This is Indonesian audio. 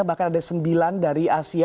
bahkan ada sembilan dari asia